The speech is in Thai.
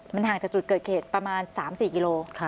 มันห่างจากจุดเกิดเขตประมาณสามสี่กิโล